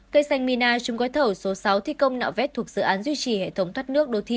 cây xanh mina chung gói thầu số sáu thi công nạo vét thuộc dự án duy trì hệ thống thoát nước đô thị